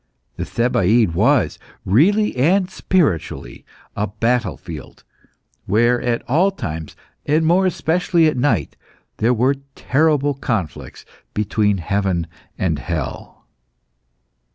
The Thebaid was, really and spiritually, a battlefield, where, at all times, and more especially at night, there were terrible conflicts between heaven and hell.